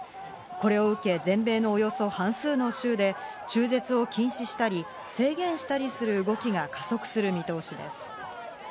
これを受け、全米のおよそ半数の州で中絶を禁止したり、制限したりする動きが加速する見通しです。